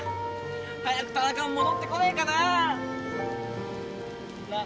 早く田中も戻ってこねえかなあ！